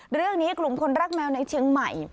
เรื่องนี้กลุ่มคนรักแมวในเชียงใหม่